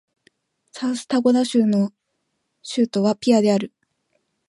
サウスダコタ州の州都はピアである